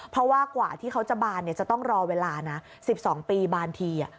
เพราะว่ากว่าที่เขาจะบานจะต้องรอเวลานะ๑๒ปีบางที